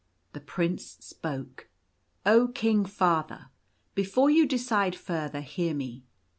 The Prince spoke —" Oh, King, Father, before you decide further, hear me.